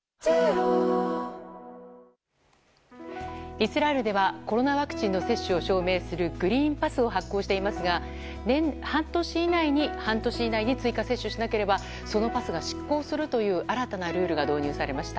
イスラエルではコロナワクチンの接種を証明するグリーンパスを発行していますが半年以内に追加接種しなければそのパスが失効するという新たなルールが導入されました。